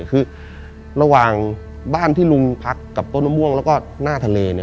คือระหว่างบ้านที่ลุงพักกับต้นมะม่วงแล้วก็หน้าทะเลเนี่ย